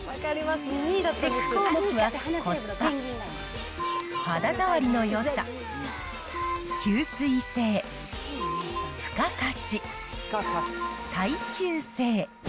チェック項目は、コスパ、肌触りのよさ、吸水性、付加価値、耐久性。